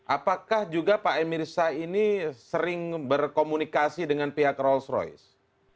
apakah juga pak emirsa ini sering berkomunikasi dengan pihak rolls royce